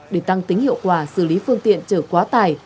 để tăng tính hiệu quả xử lý phương tiện chở quá tải